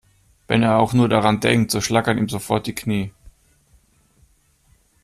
Wenn er auch nur daran denkt, so schlackern ihm sofort die Knie.